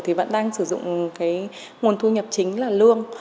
thì vẫn đang sử dụng cái nguồn thu nhập chính là lương